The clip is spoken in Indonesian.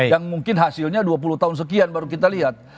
yang mungkin hasilnya dua puluh tahun sekian baru kita lihat